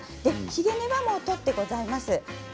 ひげ根はもう取ってございます。